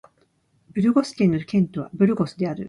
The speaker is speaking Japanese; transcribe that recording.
ブルゴス県の県都はブルゴスである